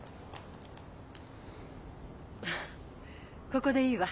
ここでいいわ。